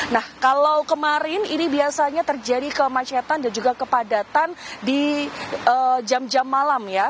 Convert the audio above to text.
nah kalau kemarin ini biasanya terjadi kemacetan dan juga kepadatan di jam jam malam ya